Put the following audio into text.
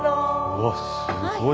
わっすごい。